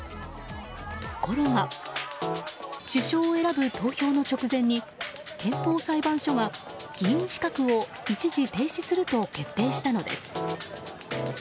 ところが首相を選ぶ投票の直前に憲法裁判所が議員資格を一時停止すると決定したのです。